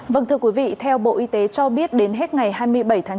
vâng thưa quý vị theo bộ y tế cho biết đến hết ngày hai mươi bảy tháng chín